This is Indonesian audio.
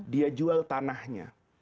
dia jual tanahnya